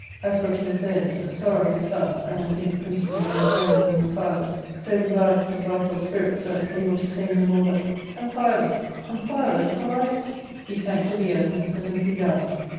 As for Timotheus, sorrow of his son, and, I think, principally un kindness of Amphialus, so devoured his vital spirits that, ablel / to say no more but ' Amphialus, Amphialus, have I V he sank to the earth and presently died.